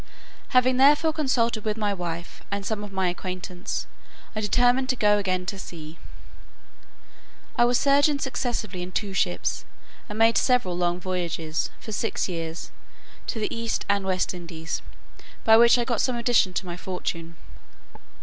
Having therefore consulted with my wife, and some of my acquaintance, I determined to go again to sea. I was surgeon successively in two ships, and made several voyages, for six years, to the East and West Indies, by which I got some addition to my fortune.